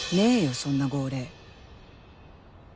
そんな号令